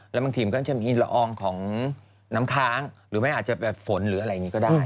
แล้วบางทีมันก็จะมีละอองของน้ำค้างหรือไม่อาจจะแบบฝนหรืออะไรอย่างนี้ก็ได้